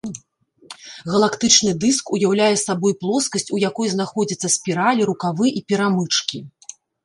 Галактычны дыск уяўляе сабой плоскасць, у якой знаходзяцца спіралі, рукавы і перамычкі.